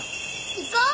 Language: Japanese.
行こう！